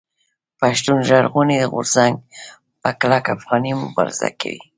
پښتون ژغورني غورځنګ په کلک افغاني مبارزه کوي.